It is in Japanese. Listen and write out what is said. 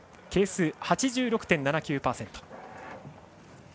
係数８６．７９％。